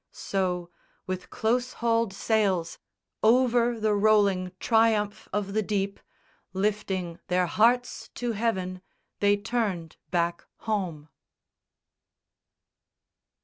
So, with close hauled sails, Over the rolling triumph of the deep, Lifting their hearts to heaven, they turned back home.